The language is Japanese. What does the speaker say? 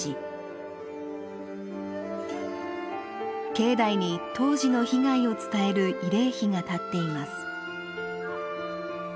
境内に当時の被害を伝える慰霊碑が立っています。